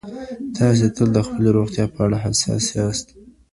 تاسي تل د خپلي روغتیا په اړه حساس یاست.